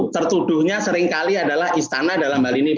tertuduhnya seringkali adalah istana dalam hal ini pak menteri